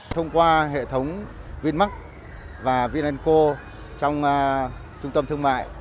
thông qua hệ thống vinmark và vinenco trong trung tâm thương mại